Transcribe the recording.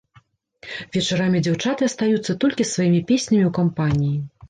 Вечарамі дзяўчаты астаюцца толькі з сваімі песнямі ў кампаніі.